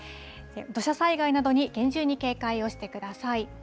土砂災害などに厳重に警戒をしてください。